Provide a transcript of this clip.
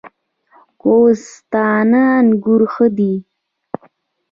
کوهستان انګور ښه دي؟